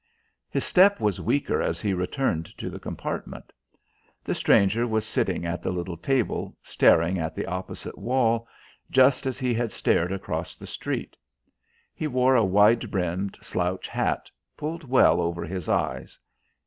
His step was weaker as he returned to the compartment. The stranger was sitting at the little table, staring at the opposite wall just as he had stared across the street. He wore a wide brimmed slouch hat, pulled well over his eyes.